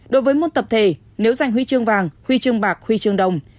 đối với môn tập thể nếu giành huy chương vàng huy chương bạc huy chương đồng